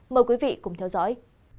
mời quý vị cùng theo dõi